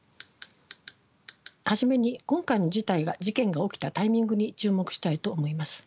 初めに今回の事態が事件が起きたタイミングに注目したいと思います。